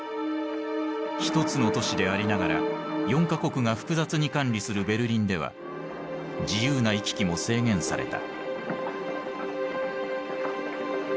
一つの都市でありながら４か国が複雑に管理するベルリンでは自由な行き来も制限された。